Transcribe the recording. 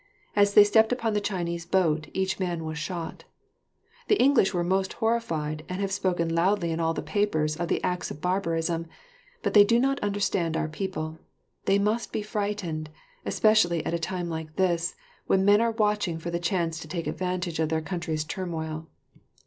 As they stepped upon the Chinese boat, each man was shot. The English were most horrified, and have spoken loudly in all the papers of the acts of barbarism; but they do not understand our people. They must be frightened; especially at a time like this, when men are watching for the chance to take advantage of their country's turmoil.